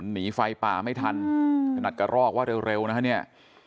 หนีไฟป่าไม่ทันขนาดกระรอกว่าเร็วนะฮะเนี่ย